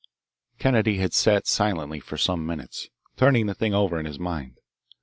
Kennedy had sat silently for some minutes, turning the thing over in his mind.